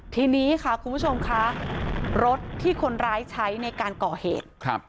ทีนี้ค่ะคุณผู้ชมค่ะรถที่คนร้ายใช้ในการก่อเหตุ